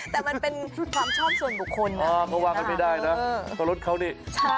แต่มันเป็นความชอบส่วนบุคคลเขาว่ากันไม่ได้นะเพราะรถเขานี่ใช่